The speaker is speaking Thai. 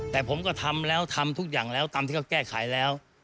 แต่ผมก็ทำแล้วทำทุกอย่างแล้วตามที่เขาแก้ไขแล้ว